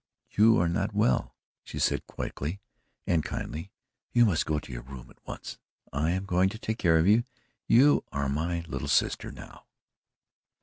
"You are not well," she said quickly and kindly. "You must go to your room at once. I am going to take care of you you are MY little sister now."